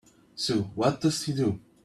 So what does he do?